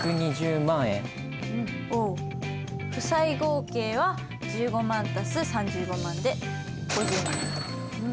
負債合計は１５万＋３５万で５０万円。